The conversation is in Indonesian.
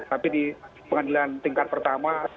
tapi di pengadilan tingkat pertama